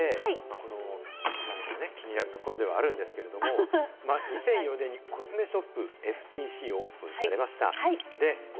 そういうこともあって、この負債が気になるところもあるんですが、２００４年にコスメショップ・ＦＴＣをオープンされました。